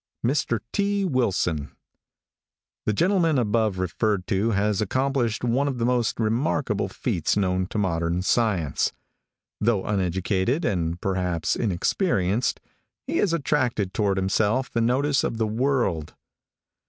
MR. T. WILSON. |THE gentleman above referred to has accomplished one of the most remarkable feats known to modern science. Though uneducated, and perhaps inexperienced, he has attracted toward himself the notice of the world.